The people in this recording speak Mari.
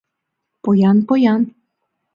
— Поян, поян...